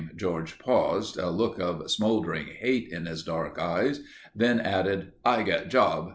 George paused, a look of smoldering hate in his dark eyes, then added: "I get job.